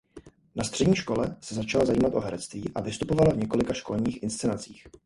Na střední škole se začala zajímat o herectví a vystupovala v několika školních inscenacích.